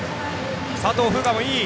佐藤風雅もいい。